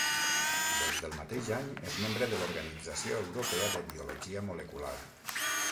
Des del mateix any és membre de l'Organització Europea de Biologia Molecular.